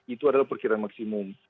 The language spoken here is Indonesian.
itu adalah perkiraan maksimum